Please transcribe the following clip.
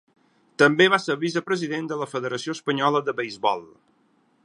També va ser vicepresident de la Federació Espanyola de Beisbol.